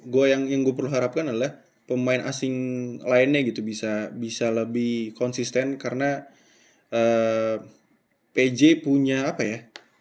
gue yang gue perlu harapkan adalah pemain asing lainnya gitu bisa lebih konsisten karena pj punya apa ya